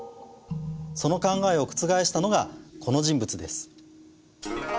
その考えを覆したのがこの人物です。